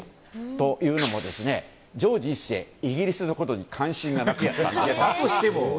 というのも、ジョージ１世イギリスのことに関心がなかったんです。